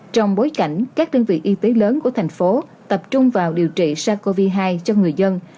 trong bối cảnh các đơn vị y tế lớn của thành phố tập trung vào điều trị sars cov hai cho người dân